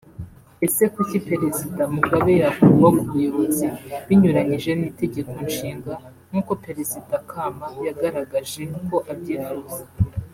Ese kuki Perezida Mugabe yakurwa ku buyobozi binyuranyije n’Itegeko Nshinga nk’uko Perezida Khama yagaragaje ko abyifuza